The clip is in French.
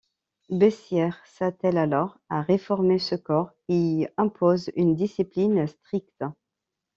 Bessières s'attelle alors à réformer ce corps et y impose une discipline stricte.